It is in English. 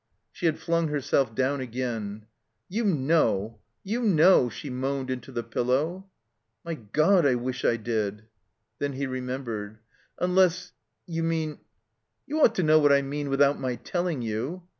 She had flung herself down again. "You kfww — ^youfenow,"she moanedinto thepiUow. "My God, I wish I did!" Then he remembered. "Unless — ^you mean —" "You ought to know what I mean without my telling you."